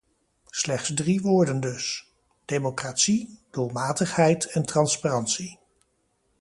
Slechts drie woorden dus: democratie, doelmatigheid en transparantie.